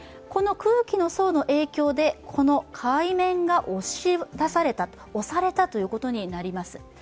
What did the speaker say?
この空気の層の影響で海面が押し出された、押されたことになります。